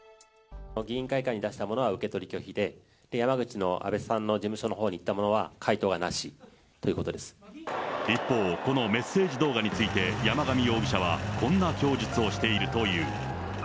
議員会館に出したものは受け取り拒否で、山口の安倍さんの事務所に送ったものは回答はなしということです一方、このメッセージ動画について、山上容疑者は、こんな供述をしているという。